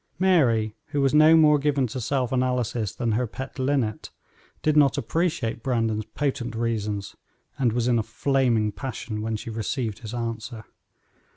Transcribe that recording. Mary, who was no more given to self analysis than her pet linnet, did not appreciate Brandon's potent reasons, and was in a flaming passion when she received his answer.